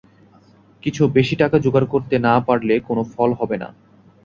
কিছু বেশি করে টাকা জোগাড় করতে না পারলে কোনো ফল হবে না।